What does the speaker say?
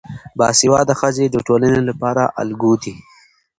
باسواده ښځې د ټولنې لپاره الګو دي.